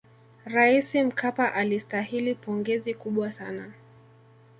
raisi mkapa alistahili pongezi kubwa sana